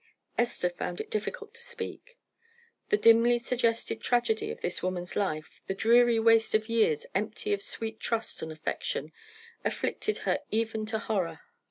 Esther found it difficult to speak. The dimly suggested tragedy of this woman's life, the dreary waste of years empty of sweet trust and affection, afflicted her even to horror.